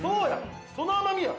その甘みや！